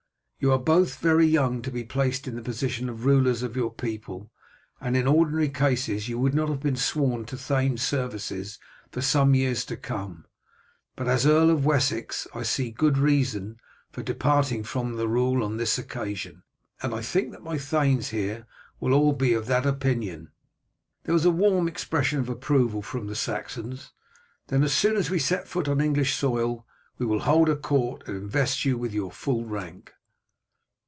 You are both very young to be placed in the position of rulers of your people, and in ordinary cases you would not have been sworn to thane's services for some years to come; but, as Earl of Wessex, I see good reason for departing from the rule on this occasion, and I think that my thanes here will all be of that opinion." There was a warm expression of approval from the Saxons. "Then as soon as we set foot on English soil we will hold a court, and invest you with your full rank."